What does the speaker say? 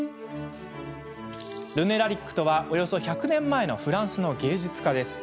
ルネ・ラリックとはおよそ１００年前のフランスの芸術家です。